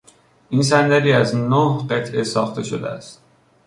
این صندلی از نه قطعه ساخته شده است.